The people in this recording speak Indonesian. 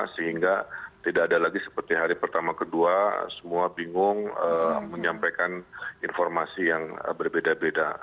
sehingga tidak ada lagi seperti hari pertama kedua semua bingung menyampaikan informasi yang berbeda beda